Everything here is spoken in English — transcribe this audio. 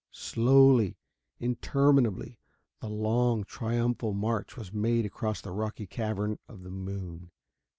Slowly, interminably, the long triumphal march was made across the rocky cavern of the moon.